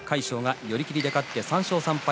魁勝、寄り切りで勝って３勝３敗。